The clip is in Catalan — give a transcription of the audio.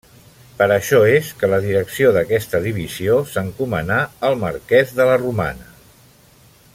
Per això és que la direcció d'aquesta divisió s'encomanà al marquès de la Romana.